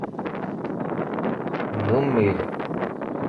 D ummil.